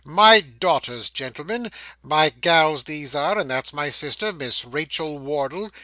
My daughters, gentlemen my gals these are; and that's my sister, Miss Rachael Wardle.